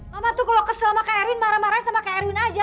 mama tuh kalau kesel sama kak erwin marah marah sama kak erwin aja